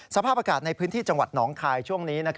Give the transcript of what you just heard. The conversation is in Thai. สภาพอากาศในพื้นที่จังหวัดหนองคายช่วงนี้